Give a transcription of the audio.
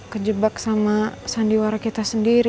kejebak sama sandiwara kita sendiri